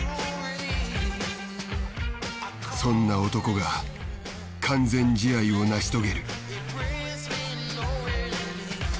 そんな男が完全試合を成し遂げる。